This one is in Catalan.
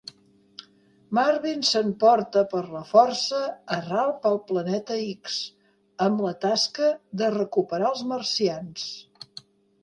Marvin s'en porta per la força a Ralph al Planeta X amb la tasca de recuperar els marcians.